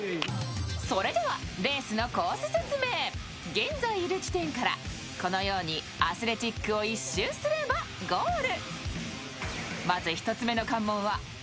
現在いる地点からこのようにアスレチックを一周すればゴール。